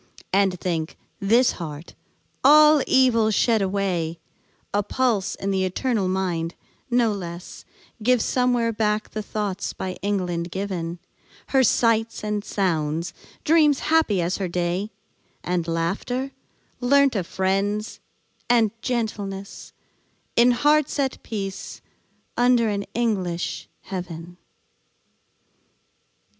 And think, this heart, all evil shed away, A pulse in the eternal mind, no less Gives somewhere back the thoughts by England given; Her sights and sounds; dreams happy as her day; And laughter, learnt of friends; and gentleness, In hearts at peace, under an English heaven.